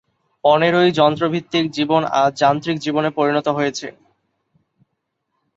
পনেরোই যন্ত্রভিত্তিক জীবন আজ যান্ত্রিক জীবনে পরিণত হয়েছে।